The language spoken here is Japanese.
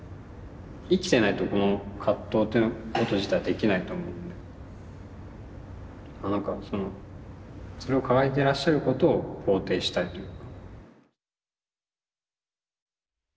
生きてないとこの葛藤ってこと自体できないと思うのでなんかそのそれを抱えてらっしゃることを肯定したいというか。